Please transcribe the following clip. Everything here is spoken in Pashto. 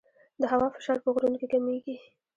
د هوا فشار په غرونو کې کمېږي.